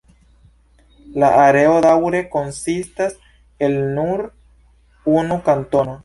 La areo daŭre konsistas el nur unu kantono.